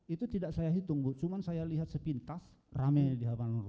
itu tidak saya hitung bu cuma saya lihat sepintas rame di hadapan bu